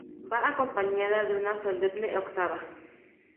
Va acompañada de una solemne octava.